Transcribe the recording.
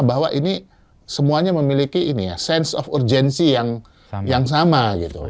bahwa ini semuanya memiliki sense of urgency yang sama gitu loh